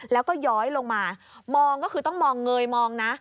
แล้วก็ย้อยลงมามองก็คือต้องมองเงยมองนะ